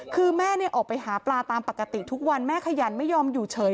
คือแม่ออกไปหาปลาตามปกติทุกวันแม่ขยันไม่ยอมอยู่เฉย